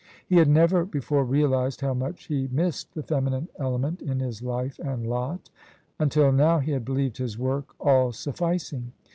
He had never before realised how much he missed the feminine element in his life and lot Until now he had believed his work all sufficing.